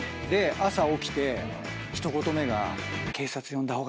朝起きて一言目が。